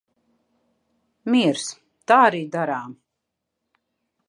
Miers. Tā arī darām.